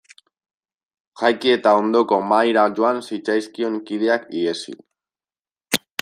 Jaiki eta ondoko mahaira joan zitzaizkion kideak ihesi.